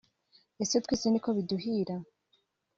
Ese twese niko biduhira